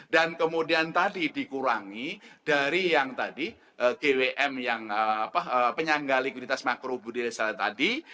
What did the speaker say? dan kemudian tadi dikurangi dari yang tadi gwm yang penyangga likuiditas makro budir sel tadi